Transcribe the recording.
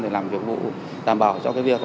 để làm việc đảm bảo cho việc